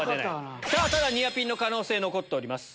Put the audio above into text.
ただニアピンの可能性残ってます。